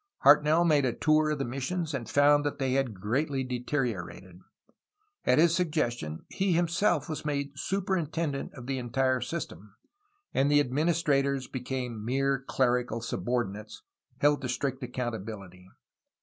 Hartnell made a tour of the missions, and found that they had greatly deteriorated. At his sug gestion he himself was made superintendent of the entire system, and the administrators became mere clerical subor dinates, held to strict accountability.